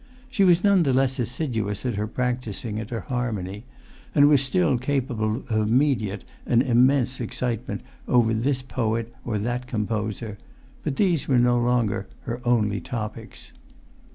She was none the less assiduous at her practising and her harmony, and was still capable of immediate and immense excitement over this poet or that composer; but these were no longer her only topics.